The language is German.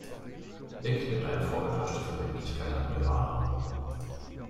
Nick nimmt eine vorgetäuschte Verbindlichkeit an ihr wahr.